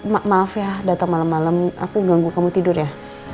maaf maaf ya datang malam malam aku ganggu kamu tidur ya